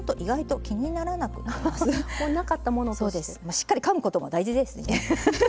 しっかりかむことも大事ですよね。